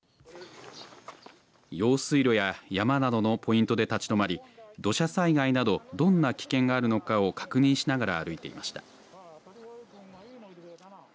用水路や山などのポイントでも立ち止まり土砂災害など、どんな危険があるかを確認しながら歩いていました。